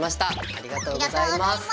ありがとうございます。